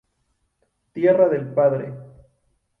Tierra del Padre!".